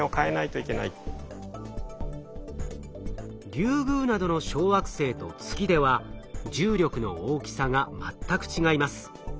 リュウグウなどの小惑星と月では重力の大きさが全く違います。